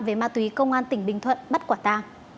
về ma túy công an tỉnh bình thuận bắt quả ta